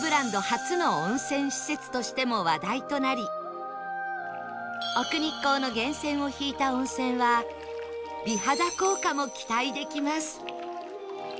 初の温泉施設としても話題となり奥日光の源泉を引いた温泉は美肌効果も期待できます